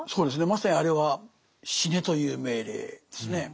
まさにあれは死ねという命令ですね。